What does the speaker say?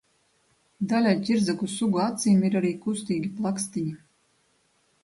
Daļai ķirzaku sugu acīm ir arī kustīgi plakstiņi.